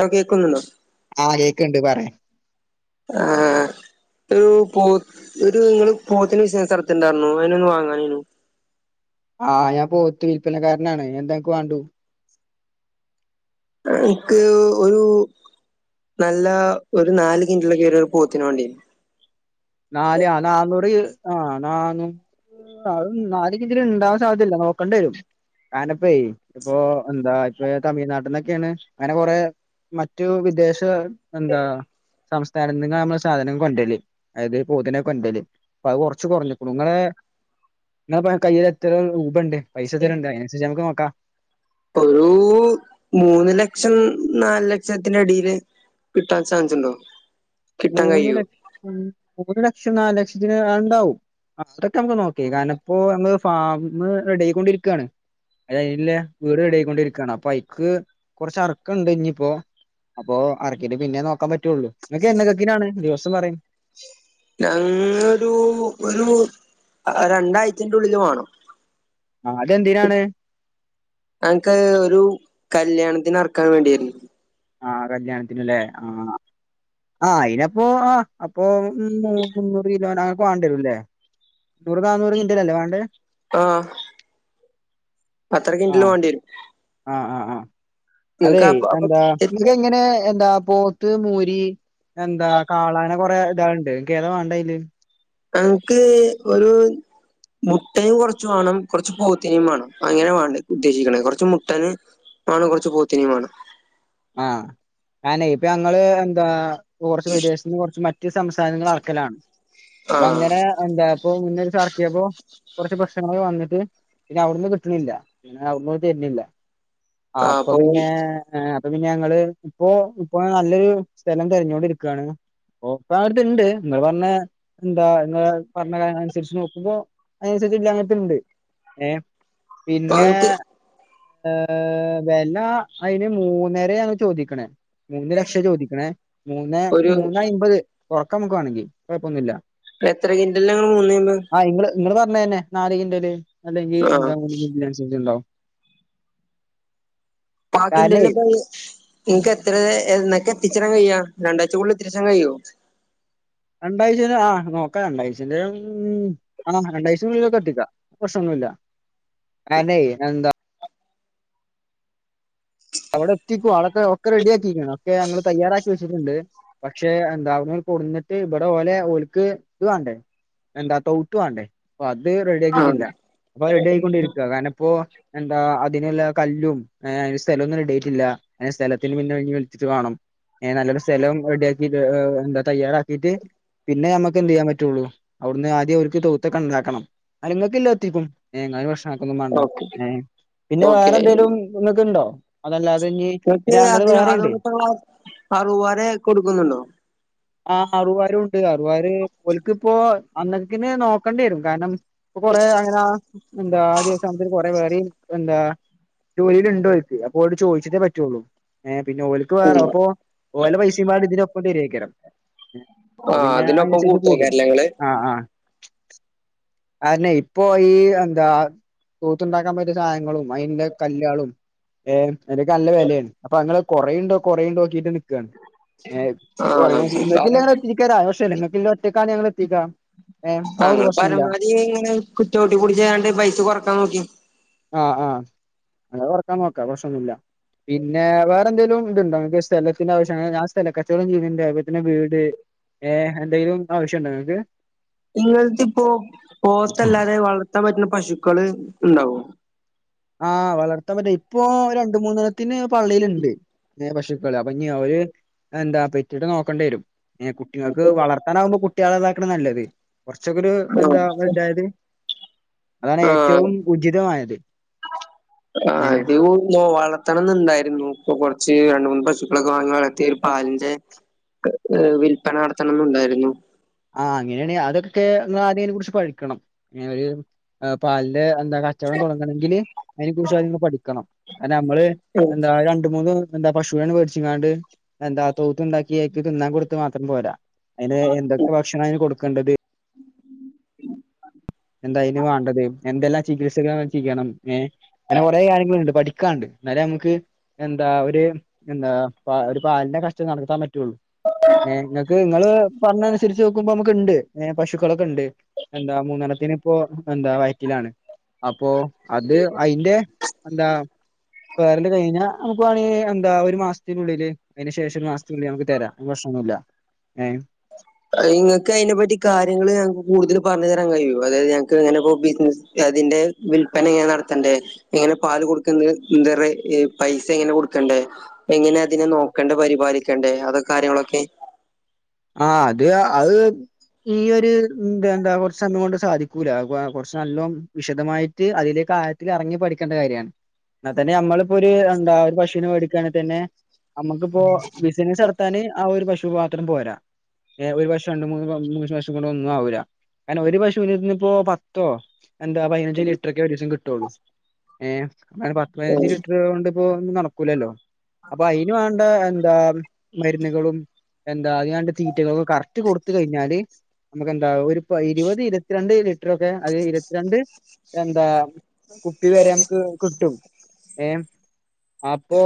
ആഹ് കേക്കുന്നുണ്ടോ ആഹ് കേക്ക്ണ്ട് പറയ് ആഹ് ഒരു പോ ഒര് ഇങ്ങള് പോത്തിൻ ബിസിനസ് നടത്ത് ണ്ടാർന്നു അയ്നോന്ന് വാങ്ങാനേന്നു ആഹ് ഞാ പോത്ത് വില്പ്പനക്കാരനാണ് എന്താ അനക്ക് വാണ്ടു ആഹ് ഇക്ക് ഒരു നല്ല ഒരു നാല് കിന്റല് ഒക്കെ വ പോത്തിനെ വാണ്ടിന്നു നാല് ആഹ് നാനൂറ് ആഹ് നാനു അഹ് നാല് കിന്റൽ ഇണ്ടാവാൻ സാധ്യതല്ല നോക്കണ്ടേരും ഞാനിപ്പയ് പോ എന്താ ഇപ്പ തമിഴ്നാട്ടിൽന്നൊക്കെണ് അങ്ങനെ കൊറെ. മറ്റു വിദേശ എന്താ സംസ്ഥാനങ്ങന്നാ അമ്മൾ സാധനം കൊണ്ടര്ല്ല്. അത് പോതിനെ കൊണ്ടര്ല് അപ്പൊ അഹ് കൊർച്ച് കൊറഞ്ഞ്ക്ക്ണു ഇങ്ങളെ. ന്നാ പ കയ്യിൽ എത്ര രൂപണ്ട് പൈസത്രണ്ട് അയിനൻസര്ച്ച് ഞമക്ക് ന്നോക്കാ. ഒരൂ മൂന്ന്ലക്ഷം ന്നാല് ലക്ഷത്തിനടിയില്. കിട്ടാൻ ചാൻസ്ണ്ടോ? മൂന്ന് ലക്ഷം മൂന്ന് ലക്ഷം ന്നാലു ലക്ഷത്തിന് അഹ് ണ്ടാവും. അതൊക്കെ ന്നമക്ക് ന്നോക്കയ് കാരണം ഇപ്പോ ഞമ്മള് ഫാമ് റെഡി ആയിക്കൊണ്ടിരിക്കാണ്. എഹ് ഇല്ലാ വീട് റെഡിയായിക്കൊണ്ടിരിക്കാണ് അപ്പൊ അയ്ക്ക്. കൊർച്ച് അർക്കണ്ട് ഇഞ്ഞിപ്പോ അപ്പൊ അറക്കിട്ട് പിന്നെ ന്നോക്കാൻ പറ്റൊള്ളു. എന്നകക്കിനാണ് ദിവസം പറയെ? ഞങ്ങരു ഒരു. രണ്ടാഴ്ച്ചന്റെ ഉള്ളിൽ വാണം. ആഹ് അതെന്തിനാണ്? ഞങ്ങക്ക്ഹ് ഒരു കല്യാണത്തിന് അർക്കാൻ വേണ്ടിയായിര്ന്നു. ആഹ് കല്യാണത്തിന്ലെ ആഹ് ആഹ് അയിനപ്പോ ആഹ് അപ്പൊ. ഇണ്ട് മുന്നൂറ് കിലോനോ ഒക്കെ വാണ്ട്യരുംല്ലേ. നൂറ് ന്നാന്നൂറ് കിന്റാലല്ലേ വാണ്ടെ ആഹ് അത്ര കിന്റല് വാണ്ട്യരും. ആഹ് ആഹ് ആഹ് അതെ അപ്പൊ എന്താ ഇത് അപ്പൊ ഇങ്ങനെ എന്താപ്പൊ. പോത്ത് മൂരി എന്താ കാളാ അങ്ങനെ കൊറെ ഇതാൾണ്ട് ഇങ്ങക്കേതാ വാണ്ടെ അയില്. ഞങ്ങക്ക് ഒരു മുട്ടനിം കൊർച്ച് വാണം കൊർച്ച് പോത്തിനിം വാണം. അങ്ങനെ വാണ്ടെ ഉദ്ദേശിക്കണേ കൊർച്ച് മുട്ടന് വാണം കൊർച്ച് പോത്തിനിം വാണം. ആഹ് ഞാനെ ഇപ്പ ഞങ്ങള് എന്താ. കൊർച്ച് വിദേശത്ത്ന്ന് കൊർച്ച് മറ്റ് സംസ്ഥാനങ്ങൾ അർക്കലാണ് അപ്പൊ ആഹ് അങ്ങനെ. എന്താ അപ്പൊ മുന്നോരീസർക്കിയപ്പോ കൊർച്ച് പ്രശ്ണങ്ങളൊക്കെ വന്ന്ട്ട്. പിന്നെ ഔട്ന്ന് കിട്ട്ണില്ല പിന്ന ഔട്ന്നോല് തെര്നില്ല അപ്പൊ പിന്നെ. ഇപ്പോ പിന്നെ ഞങ്ങള് ഇപ്പോ ഇപ്പോ നല്ലൊരു സ്ഥലം തിരഞ്ഞോണ്ടിരിക്കാണ് ഓഫാവര്ത്ണ്ട് നിങ്ങള് പറഞ്ഞെ എന്താ നിങ്ങ്ള് പറഞ്ഞകാര്യ അനുസരിച്ച് നോക്കുമ്പോ അതിനനുസരിച്ച് ഉള്ളത് ഞങ്ങളെടുത്തുണ്ട് ഏഹ് പിന്നെ ഞങ്ങക്ക് ഏഹ് വെല അതിന് മൂന്ന് ന്നരയാന്ന് ചോദിക്കണേ മൂന്ന് ലക്ഷ ചോദിക്കണേ മൂനേ ഒരു മൂനേ അയ്മ്പത് കൊറക്കാ നമുക്കു വേണെങ്കി കൊഴപ്പോന്നില്ല ഇപ്പ എത്ര കിന്റെലിനാ മൂനേ അമ്പത് ആഹ് നിങ്ങള് നിങ്ങള് പറഞ്ഞ തന്നെ നാല്കിന്റെല് അല്ലെങ്കി ആഹ് രണ്ട് മൂന്ന് കിന്റെല് ലാൻസ് ചേഞ്ചുണ്ടാകും ആഹ് കിന്റെലിന് കൂ നിങ്ങക്ക് എത്രേ എന്നേക്കെത്തിച്ചരാൻ കഴിയാ രണ്ടാഴച്ചക്കുള്ളിൽ എത്തിരിച്ചാൻ കഴിയോ രണ്ടാഴ്ചേന്റെ ആഹ് നോക്ക രണ്ടാഴ്ചന്റേം ഉം ആഹ് രണ്ടാഴ്ചക്കുള്ളിലക്കെ എത്തിക്കാ പ്രശ്നോന്നുല്ല കാരണം എന്താ അവിടെ എത്തിക്കും അവിടക്കെ ഒക്ക റെഡിയാക്കിക്കുണു ഒക്കെ ഞങ്ങള് തയ്യാറാക്കി വെച്ചിട്ടുണ്ട് പക്ഷെ എന്താ അവിടുന്ന് കൊടുന്നിട്ട് ഇവിട ഓലെ ഓല്ക്ക് ഇത് വേണ്ടേ എന്താ തൗത്തു വേണ്ടേ അപ്പൊ അത് ആഹ് റെഡിയാക്കിട്ടില്ല അപ്പോ അത് റെഡിയാക്കിക്കൊണ്ടിരിക്കുവ കാരണം ഇപ്പോ എന്താ അതിനുള്ള കല്ലും ഏഹ് റിസ് സ്ഥലോന്നും റെഡിയായിട്ടില്ല ഏഹ് സ്ഥലത്തിന് മുന്നേ ഇനി വിളിച്ചിട്ട് വേണം ഞാൻ നല്ലൊരു സ്ഥലം റെഡിയാക്കിട്ട് ഏഹ് എന്താ തയ്യാറാക്കീട്ട്. പിന്നെ നമ്മുക്ക് എന്ത് ചെയ്യാൻ പറ്റുള്ളു. ഔട്ന്ന് ആദ്യം അവര്ക്ക് തൊയ്ത്തൊക്കെ ഇണ്ടാക്കണം. ഇന്നാലും ഇങ്ങക്ക്ല്ലെ എത്തിക്കും. ഏഹ് ഇങ്ങാന് പ്രശ് ഞങ്ങക്കൊന്നും മാണ്ട. ഓക്കെ ഏഹ്. പിന്നെ വേറെന്തേലും ഇങ്ങക്ക് ഇണ്ടോ. അതല്ലാതെ ഇനി [unintelligible] പിന്നെ ഞങ്ങള് [unintelligible] വേറെയുണ്ട്. അതോടൊത്തുള്ളെ അറു വരെ കൊടുക്കുന്നുണ്ടോ. ആഹ്. അറുവാരും ഉണ്ട്. അറുവാര് ഓൽക്ക് ഇപ്പോ അന്നെക്ക്ക്കിന് നോക്കണ്ട്യേരും. കാരണം ഇപ്പോ കൊറേ അങ്ങന എന്താ ദിവസാകുമ്പത്തേന് കൊറേ വേറിം എന്താ തൊഴില് ഇണ്ടോൽക്ക്. അപ്പോ ഓലോട് ചോയ്ച്ചിട്ടേ പറ്റൊള്ളൂ. ഏഹ് പിന്ന ഓല് ക്ക് വേറെ. അപ്പോ ഓലെ പൈസിം പാടെ ഇതിനൊപ്പം തര്വായ്ക്കാരം. അപ്പൊ ആഹ് പിന്നെ അതിനൊപ്പം അയ്നൻസരിച്ച് കൂടും. കൂട്ടേക്കാരല്ലേ ഇങ്ങള് ആഹ് ആഹ്. കാര് ണെ. ഇപ്പൊ ഈ എന്താ കൂത്തുണ്ടാക്കാൻ പറ്റിയ സാനങ്ങളും അയ്ന്ല്ലെ കല്ലേളും. ഏഹ്. അയ്നൊക്കെ നല്ല വെലേണ്. അപ്പൊ അങ്ങള് കൊറയിണ്ടോ കൊറയിണ്ടോ നോക്കിട്ട് നിക്കാണ്. ആഹ്. അതെ. ഇങ്ങക്ക് ഇന്നെ എത്തിക്കരാവശ്യല്ല. ഇങ്ങക്ക് ഇന്നെ ഒറ്റക്കാ ഞങ്ങള് എത്തിക്കാ ഏഹ് അതൊന്നും അങ്ങള് പ്രശ്നല്ല പരമാവധി ഇങ്ങനെ കുറ്റ്യോ ചൗട്ടി പൊട്ടിച്ച് കാണ്ട് പൈസ കൊറക്കാൻ നോക്കി. ആഹ്. ആഹ്. അങ്ങനെ കൊറക്കാൻ നോക്കാം. പ്രെശ്നൊന്നുല്ല. പിന്നെ വേറെ എന്തേലും ഇതുണ്ടോ ഇങ്ങക്ക്. സ്ഥലത്തിന്റെ ആവശ്യം അങ്ങനെ ഞാൻ സ്ഥല കച്ചോടം ചെയ്യ്ണ്ട് അവര് പിന്നെ വീട്. ഏഹ്. എന്തെങ്കിലും ആവശ്യോണ്ടോ ഇങ്ങൾക്ക്. ഇങ്ങൾത് ഇപ്പോ പോത്തല്ലാതെ വളർത്താൻ പറ്റുന്ന പശുക്കള് ഇണ്ടാവ്വൊ. ആഹ്. വളർത്താൻ പറ്റ്ണ. ഇപ്പൊ രണ്ട് മൂന്നണ്ണത്തിന് പള്ളീല്ണ്ട്. ഏഹ് പശുക്കള്. അപ്പൊ ഇഞ്ഞ് അവര് എന്താ പെറ്റ്ട്ട് നോക്കെണ്ട്യേരും. ഏഹ് കുട്ടികൾക്ക് വളർത്താനാകുമ്പോ കുട്ട്യേളെ ഇതാ ക്ക്ണ നല്ലത്. കൊറച്ചൊക്കെ ഒരു എന്താ വൽതായത്. അതാണ് ആഹ് ഏറ്റവും ഉചിതമായത്. ആഹ്. ഏഹ് അധികും നോ വളത് ത്തണന്ന് ഇണ്ടായിരുന്നു. ഇപ്പൊ കൊറച്ച് രണ്ട് മൂന്ന് പശുക്കളൊക്കെ വാങ്ങി വളർത്തി ഒരു പാലിന്റെ ഹ ഏഹ് വില്പ്പന നടത്തണംന്നുണ്ടായിരുന്നു. ആഹ്. അങ്ങനെയാണെ അതൊക്കെ ഒന്ന് ആദ്യം അതിനെ കുറിച്ച് പഠിക്കണം. ഇങ്ങനൊര് ആഹ് പാലന്റെ എന്താ കച്ചോടം തൊടങ്ങണെങ്കില്, അതിനെ കുറിച്ച് ആദ്യം ഒന്ന് പഠിക്കണം. അത് നമ്മള് എന്താ രണ്ട് മൂന്ന്. എന്താ പശൂനെ വേട്ച്ച്ങ്ങാണ്ട് എന്താ തോത്ത് ഇണ്ടാക്കി അയ്ക്ക് തിന്നാ കൊടുത്ത മാത്രം പോരാ. അയ്ന് എന്തൊക്കെ ഭക്ഷണ അയ്ന് കൊട്ക്കണ്ടത്. എന്താ അയ്ന് വാണ്ടത്. എന്തെല്ലാം ചികിത്സകള് അവൻ ചെയ്യണം. ഏഹ്. അങ്ങനെ കൊറേ കാര്യങ്ങള് ഇണ്ട്. പഠിക്കാണ്ട്. ഇന്നാലേ നമ്മക്ക് എന്താ ഒര് എന്താ ഒര് പാലിനെ കഷ്ട്ട നടത്താൻ പ റ്റൊള്ളു. ഏ. ഇങ്ങക്ക് ഇങ്ങള് പറഞ്ഞ തിരിച്ച് നോക്ക്മ്പം അമക്ക് ഇണ്ട് എഹ്. പശുക്കളൊക്കെ ഇണ്ട്. എന്താ ഇതിനിപ്പോ എന്താ വയറ്റിലാണ്. അപ്പൊ അത് അയ്ന്റെ എന്താ പേറല് കയ്ഞ്ഞാ അമ്മക്ക് വാണെയ് എന്താ ഒരു മാസത്തിനുള്ളില്, അയ്ന് ശേഷം ഒരു മാസത്തിനുള്ളില് നമ്മക്ക് തര പ്രശ്നൊന്നുല്ല. ഏഹ്. [inaudible] അയ്ന് ഇങ്ങക്ക് അയ്നെപ്പറ്റി കാര്യങ്ങള് ഞങ്ങക്ക് കൂട്തല് പറഞ്ഞ് തെരാൻ കയ്യോ. അതായത് ഞങ്ങക്ക് എങ്ങനെ പോവും ബിസിനസ് അതിന്റെ വിൽപ്പന എങ്ങനെ നടത്തണ്ടെ. എങ്ങനെ പാല് കൊട്ക്ക്ന്ന് എന്താ പൈസ എങ്ങനെ കൊട്ക്കണ്ടെ. എങ്ങനെ അതിനെ നോക്കണ്ടെ പരിപാലിക്കെണ്ടേ. അതൊക്കെ കാര്യങ്ങളൊക്കെ ആ അത് ആ അഹ് ഈ ഒര് എന്ത എന്താ കൊറച്ച് അന്ന് കൊണ്ട് സാധിക്കൂല കൊർച്ച് നല്ലോ വിശദമായിട്ട് അതിലേക്ക് ആയ ത്തില് എറങ്ങി പഠിക്കേണ്ട കാര്യാണ് എന്നാ തന്നെ നമ്മളിപ്പോ ഒര് എന്താ ഒര് പശുനെ വെടിക്കാണ് തന്നെ നമ്മക്ക്പ്പോ ബിസിനസ് നടത്താന് ആ ഒരു പശുപാത്രം പോരാ ഏ ഒരു പശു രണ്ട് മൂന്ന് പ പശു കൊണ്ട് ഒന്നും ആവൂല കാരണം ഒരു പശുന്റെട്ത്ത്ന്ന് ഇപ്പോ പത്തോ എന്താ പതിനഞ്ച് ലിറ്ററെക്കെയാ ഒരു ദിവസം കിട്ടോള്ളൂ ഏ അങ്ങനെ പത്ത് ഉം. പയ്നഞ്ച് ലിറ്റർ കൊണ്ട് ഇപ്പൊ ഒന്നും നടക്കൂലലോ അപ്പൊ അയിന് വാണ്ട എന്താ മര്ന്ന്കളും എന്താ അയ്ന് വാണ്ട തീറ്റകളൊക്കെ കറക്റ്റ് കൊട്ത്ത് കയ്ഞ്ഞാല് നമ്മക്കന്താ ഒരു ഇപ്പ ഇരുവത് ഇരവത്തിരണ്ട് ലിറ്ററൊക്കെ അതി ഇരുവത്തിരണ്ട് എന്താ കുപ്പി വരെ നമ്മക്ക് കിട്ടും ഏ അപ്പൊ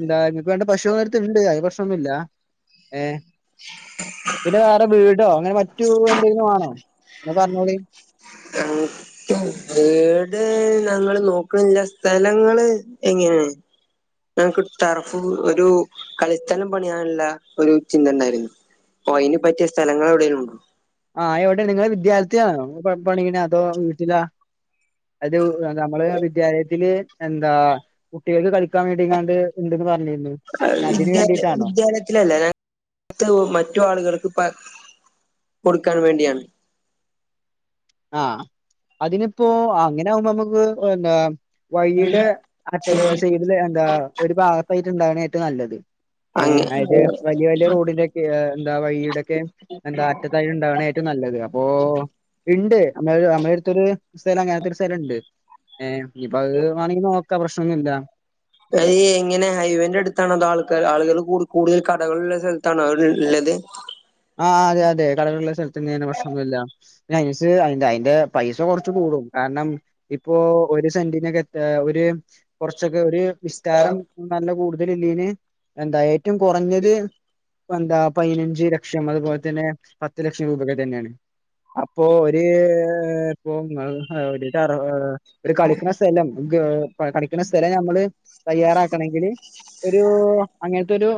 എന്താ ഇഞ്ഞ്പ്പൊ രണ്ട് പശു നേരത്തെ ഉണ്ട് അതി പ്രശ്നോന്നുല്ല ഏഹ് [inaudible] പിന്നെ വേറെ വീടോ അങ്ങനെ മറ്റു എന്തെങ്കിലും വാണോ ഇങ്ങനെ പർഞ്ഞോളീം ആ വീട് ഞങ്ങള് നോക്ക്ണില്ല സ്ഥലങ്ങള് എങ്ങെനെയാണ്? ഞങ്ങക്ക് ട്ടറഫ് ഒരു കളിസ്ഥലം പണിയാനുള്ള ഒരു ചിന്ത ഇണ്ടാര്ന്നു പ്പൊ അയ്‌ന് പറ്റിയ സ്ഥലങ്ങള് എവടെലും ഉണ്ടോ അഹ് എവടെണ് നിങ്ങള് വിദ്യാൽത്തിയാണോ പാ പണിയ്ണ് അതോ വീട്ടിലാ അതൊ നമ്മള് വിദ്യാലയത്തില് എന്താ കുട്ടികൾക്ക് കളിക്കാൻ വേണ്ടിങ്ങാണ്ട് ഇണ്ട്ന്ന് പറഞ്ഞിന്നു ആഹ് വിദ്യൽത്തി വിദ്യാലയത്തിലല്ലാ ഞ ത്തോ മറ്റു ആളുകൾക്ക് പ കൊടുക്കാൻ വേണ്ടിയാണ് ആ അതിനിപ്പോ അങ്ങനെ ആമ്പോ നമ്മക്ക് എന്താ വയ്യ്ടെ അറ്റത്ത് സൈടില് എന്താ ഒരു ഭാഗത്തായിട്ട് ഇണ്ടാവ്ണ ഏറ്റവും നല്ലത് ഏ അങ്ങ അയ്ൻ്റെ വല്യ വല്യ റോഡിന്റോക്കെ എന്താ വയ്യ്ടൊക്കെ എന്താ അറ്റത്തായ് ഇണ്ടാവ്ണ ഏറ്റവും നല്ലത് അപ്പൊ ഇണ്ട് അമ്മള് അമ്മൾട്ത്തോരു സ്ഥലം അങ്ങനത്തെരു സ്ഥലം ഇണ്ട് ഏഹ് ഇഞ്ഞിപ്പോ അത് വാണങ്കി നോക്കാ പ്രശ്നൊന്നുല്ല ഈ എങ്ങനെ ഹൈവേന്റെ അടുത്താണോ അതോ ആൾക്കാ ആളുകള് കൂ കൂട്തല് കടകളുളള സ്ഥലത്താണോ അത് ഇള്ളത് ആ അതെ അതെ കടകളുള്ള സ്ഥലത്തന്നെയാണ് പ്രശ്നോന്നുല്ലാ അയ്ന്സരിച്ച് അയ്ന്റെ അയ്ന്റെ പൈസ കൊറച്ച് കൂടും കാരണം ഇപ്പോ ഒരു സെന്റിനൊക്കെ എന്താ ഒരു കൊർച്ചൊക്കെ ഒര് വിസ്താരം ആഹ് നല്ല കൂടുതല് ഇല്ലേന് എന്താ ഏറ്റും കൊറഞ്ഞത് എന്താ പയ്നഞ്ച് ലക്ഷം അത്പോലെ തന്നെ പത്ത് ലക്ഷം രൂപൊക്കെ തന്നെയാണ് അപ്പോ ഒര് പ്പൊ ഒര് ടറഫ് ഒര് കളിക്ക്ണ സ്ഥലം ക്കെ ഇപ്പൊ കളിക്കണ സ്ഥലം നമ്മള് തയ്യാറാക്കണങ്കില് ഒരു അങ്ങനത്തെരു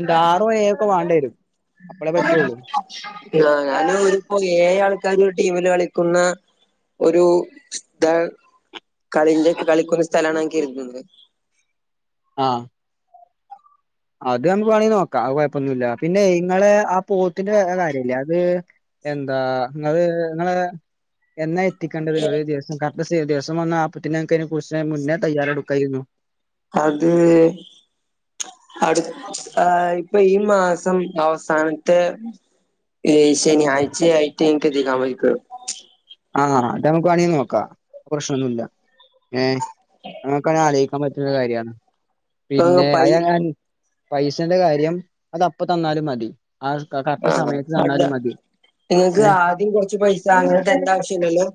എന്താ ആറോ ഏഴോ ഒക്കെ വേണ്ടി വരും അപ്പളേ പറ്റുള്ളൂ ആഹ് ഞാനും ഒരുപ്പോ ഏഴ് ആൾക്കാര് ഒര് ടീമില് കളിക്കുന്ന ഒരു സ്ഥൽ കളിന്റെ ഒക്കെ കളിക്കുന്ന സ്ഥലാണ് ഞാൻ കരുതുന്നത് ആഹ് അത് നമുക്ക് വേണങ്കിൽ നോക്കാം അത് കുഴപ്പൊന്നല്ല പിന്നെ ഇങ്ങളെ ആ പോത്തിന്റെ കാര്യല്ലേ അത് എന്താ ഇങ്ങള് ഇങ്ങള് എന്നാ എത്തിക്കേണ്ടത് ഒരു ദിവസം ക ദിവസെ ദിവസം വന്ന അപ്പൊത്തിന്നെ ഞങ്ങൾക്ക് അതിനെ കുറിച്ച് മുന്നേ തയ്യാറെടുക്കായിരുന്നു അത് അടു ത്താ ഇപ്പൊ ഈ മാസം അവസാനത്തെ ഏയ് ശനിയാഴ്ചയായിട്ട് എനിക്ക് എത്തിക്കാം വെഴ്ക്കോ ആഹ് അത് നമ്മക്ക് വാണങ്കി നോക്കാം പ്രശ്നൊന്നുല്ല ഏഹ് അതൊക്കെ ആലോയിക്കാൻ പറ്റണ കാര്യാണ് ഇപ്പൊ പിന്നെ പൈ അത് ഞാൻ അന്വേ പൈസന്റെ കാര്യം അത് അപ്പ തന്നാലും മതി ആ കറക്റ്റ് ആഹ് സമയത്ത് അല്ല തന്നാലും മതി ആദ്യ കൊറച്ച് പൈസ അങ്ങനെ തെരണ്ടേ ആവശ്യല്ലല്ലോ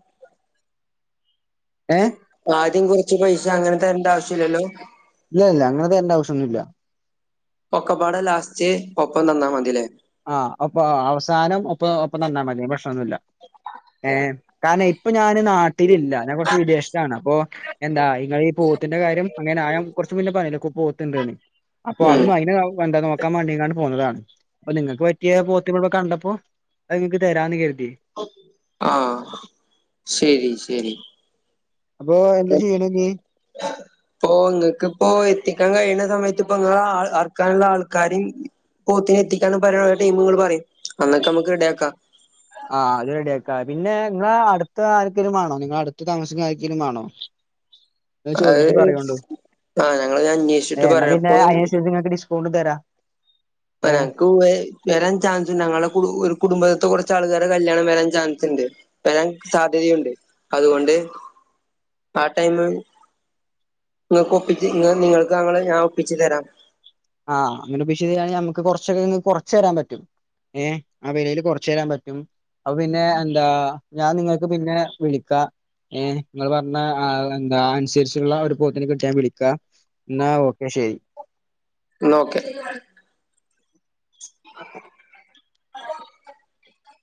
ആദ്യം കുറച്ച് പൈസ അങ്ങനെ തരേണ്ട ആവശ്യ ഇല്ലല്ലോ ഇല്ല ഇല്ല അങ്ങനതരേണ്ട ആവശ്യം ഒന്നുല്ല ഒക്കപ്പാടെ ലാസ്റ്റ് ഒപ്പം തന്നാ മതില്ലേ ആഹ് ഒപ്പ അവസാനം ഒപ്പ ഒപ്പം നന്നാൽ മതി അത് പ്രശ്നൊന്നുല്ല ഏഹ് കാരണം ഇപ്പൊ ഞാന് നാട്ട ട്ടിലില്ല ഞാൻ കൊറച്ച് വിദേശത്താണ് അപ്പൊ എന്താ ഇങ്ങള് ഈ പോത്തിന്റെ കാര്യം അങ്ങനെ ആയാം കൊറച്ച് മുന്നെ പറഞ്ഞില്ലേ ക്ക് പോത്തുണ്ടന്ന് അപ്പൊ ഉം അതും അയ്നെ നോക്കാൻ വേണ്ടീങ്ങാണ് പോന്നതാണ് അപ്പൊ നിങ്ങൾക്ക് പറ്റിയ പോത്തിനെ ഇവിടെ കണ്ടപ്പോ അത് ഇങ്ങക്ക് തരാന്ന് കരുതി ആഹ് ശരി ശരി അപ്പൊ എന്താ ചെയ്യണ ഇനി ഓഹ് ഇങ്ങക്ക് ഇപ്പോ എത്തിക്കാൻ കഴിയണ സമയത്ത് ഇപ്പൊ ഇങ്ങള് അർക്കാനുള്ള ആൾക്കാരിം പോത്തിന് എത്തിക്കാനും പറയണ ടീമുകൾ പറയും അന്നൊക്കെ നമുക്ക് റെഡിയാക്കാം ആഹ് അത് റെഡിയാക്കാ പിന്നെ നിങ്ങളെ അടുത്ത് ആർക്കേലും വേണോ നിങ്ങ അടുത്ത് താമസിക്കുന്ന ആർക്കേലും വാണോ അത് ആഹ് ഞങ്ങള് അന്വേഷിച്ചിട്ട് പറയാപ്പോ ക്കൗണ്ടും തരാം ഏ ഒരനക്കം [unintelligible] വരാൻ ചാൻസ് ഉണ്ട് ഞങ്ങളുടെ കു ഒരു കുടുംബത്തെ കുറച്ച് ആൾക്കാര്ടെ കല്യാണം വരാൻ ചാൻസ് ഉണ്ട് വരാൻ സാധ്യതയുണ്ട് അതുകൊണ്ട് ആ ടൈമ് നിങ്ങൾക്ക് ഒപ്പിച്ച് ഇങ്ങ നിങ്ങൾക്ക് ഞങ്ങള് ഞാൻ ഒപ്പിച്ച് തരാം ആഹ് അങ്ങനെ ഒപ്പിച്ച് താരാണെങ്കി നമുക്ക് കുറച്ചൊക്കെ ഇങ്ങക്ക് കുറച്ചു തരാൻ പറ്റും ഏഹ് ആ വിലയിൽ കൊറച്ചു തരാൻ പറ്റും അപ്പൊ പിന്നെ എന്താ ഞാൻ നിങ്ങൾക്ക് പിന്നെ വിളിക്കാം ഏഹ് ഇങ്ങള് പറഞ്ഞ അഹ് എന്താ അനുസരിച്ചുള്ള ഒരു പോത്തിനെ കിട്ടിയാ ഞാൻ വിളിക്കാ ന്നാ ഓക്കെ ശരി ന്നാ ഓക്കെ